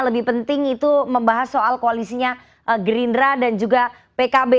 lebih penting itu membahas soal koalisinya gerindra dan juga pkb